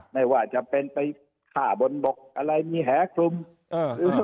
ไม่ว่าจะเป็นไปข่าบนบกอะไรมีแหกลุ่มเออเออ